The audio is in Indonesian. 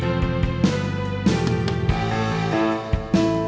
kyu jadi pengekayaan suami